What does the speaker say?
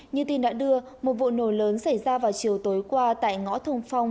như tin đã đưa một vụ nổ lớn xảy ra vào chiều tối qua tại ngõ thùng phong